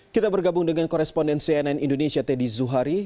kita bergabung dengan koresponden cnn indonesia teddy zuhari